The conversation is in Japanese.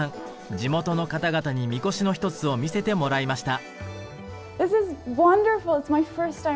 地元の方々にみこしの一つを見せてもらいました。